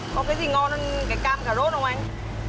có cái gì ngon hơn cái cam cà rốt không anh